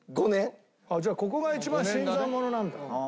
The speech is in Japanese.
じゃあここが一番新参者なんだ。